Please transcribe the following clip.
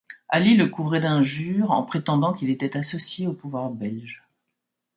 Ali le couvrait d'injures en prétendant qu'il était associé au pouvoir belge.